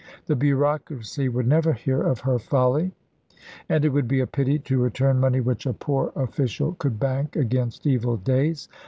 The bureaucracy would never hear of her folly, and it would be a pity to return money which a poor official could bank against evil days.